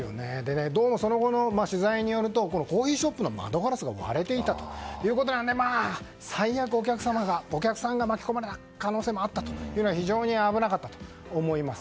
どうも、その後の取材によるとコーヒーショップの窓ガラスが割れていたということなので最悪、お客さんが巻き込まれた可能性もあったというのは非常に危なかったと思います。